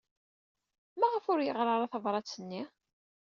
Maɣef ur yeɣri ara tabṛat-nni?